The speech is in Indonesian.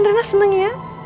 dana seneng ya